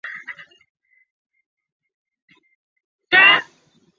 城铁的第一辆车厢因惯性和前面的火车头撞到一起并起火。